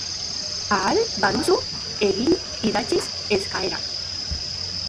Ahal baduzu, egin idatziz eskaera.